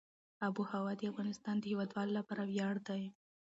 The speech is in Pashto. آب وهوا د افغانستان د هیوادوالو لپاره ویاړ دی.